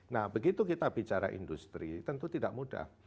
nah begitu kita bicara industri tentu tidak mudah